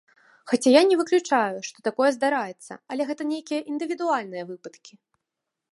Хаця я не выключаю, што такое здараецца, але гэта нейкія індывідуальныя выпадкі.